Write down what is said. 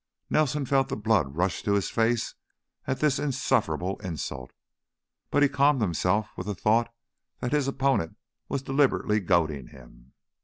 _" Nelson felt the blood rush to his face at this insufferable insult, but he calmed himself with the thought that his opponent was deliberately goading him.